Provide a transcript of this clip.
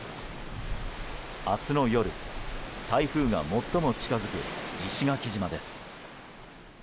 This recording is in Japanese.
明日の夜、台風が最も近づく石垣島です。